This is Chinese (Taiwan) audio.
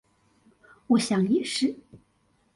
我想也是